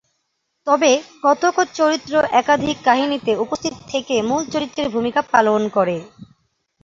তবে কতক চরিত্র একাধিক কাহিনীতে উপস্থিত থেকে মূল চরিত্রের ভুমিকা পালন করে।